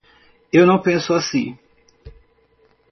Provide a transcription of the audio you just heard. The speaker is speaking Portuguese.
Eu não penso assim.